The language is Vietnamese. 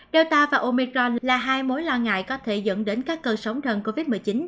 delta và omicron là hai mối lo ngại có thể dẫn đến các cơn sóng thần covid một mươi chín